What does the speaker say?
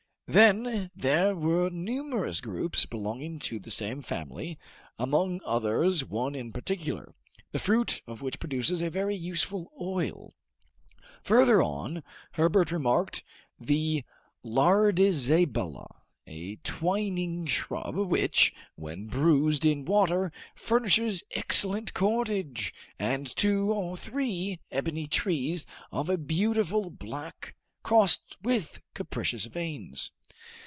Then there were numerous groups belonging to the same family, among others one in particular, the fruit of which produces a very useful oil. Further on, Herbert remarked the lardizabala, a twining shrub which, when bruised in water, furnishes excellent cordage; and two or three ebony trees of a beautiful black, crossed with capricious veins.